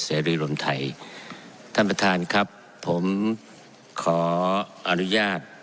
เสรีรวมไทยท่านประธานครับผมขออนุญาต